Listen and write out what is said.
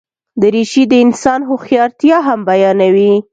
دریشي د انسان هوښیارتیا هم بیانوي.